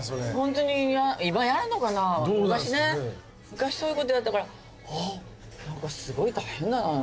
昔そういうことやったから何かすごい大変だな。